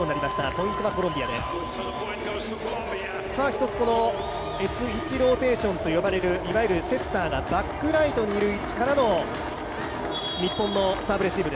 一つ、Ｓ１ローテーションと呼ばれるいわゆるセッターがバックライトにいる位置からの日本のサーブレシーブ